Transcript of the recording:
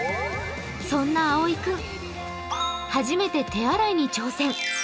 そんなあおいくん、初めて手洗いに挑戦。